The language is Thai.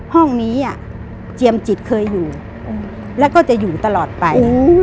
ห้องนี้เจียมจิตเคยอยู่แล้วก็จะอยู่ตลอดไป